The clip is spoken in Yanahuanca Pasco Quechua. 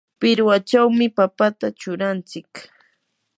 pirwachawmi papata churanchik.